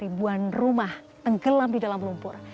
ribuan rumah tenggelam di dalam lumpur